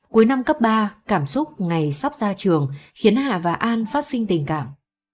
cuối năm cấp ba cảm xúc ngày sắp ra trường khiến hà và an phát sinh tình cảm